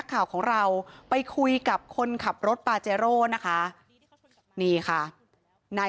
จะรับผิดชอบกับความเสียหายที่เกิดขึ้น